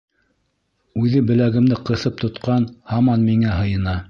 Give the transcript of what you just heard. Үҙе беләгемде ҡыҫып тотҡан, һаман миңә һыйына.